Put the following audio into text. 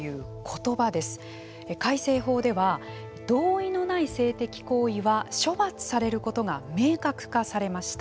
改正法では同意のない性的行為は処罰されることが明確化されました。